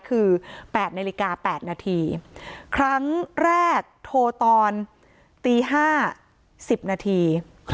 คือ๘นาฬิกา๘นาทีครั้งแรกโทรตอนตี๕๑๐นาที